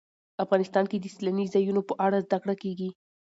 افغانستان کې د سیلاني ځایونو په اړه زده کړه کېږي.